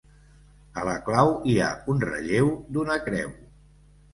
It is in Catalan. A la clau hi ha un relleu d'una creu.